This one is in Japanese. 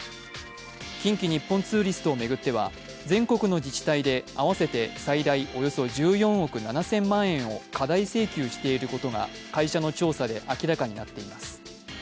近畿日本ツーリストを巡っては全国の自治体で合わせて最大およそ１４億７０００万円を過大請求していることが会社の調査で明らかになっています。